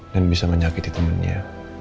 dan bisa menyakiti temennya